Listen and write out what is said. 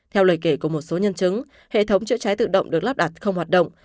theo lời kể của một số nhân chứng hệ thống chữa cháy tự động được lắp đặt không hoạt động